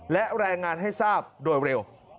และแรงงานให้ทราบโดยเร็ว